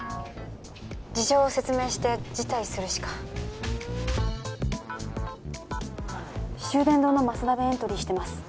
事情を説明して辞退するしか秀伝堂の舛田でエントリーしてます